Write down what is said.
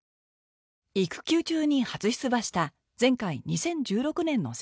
育休中に初出馬した前回２０１６年の選挙戦